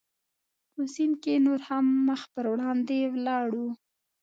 په سیند کې نور هم مخ پر وړاندې ولاړو.